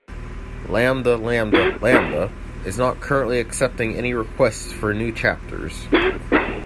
Lambda Lambda Lambda is not currently accepting any requests for new chapters.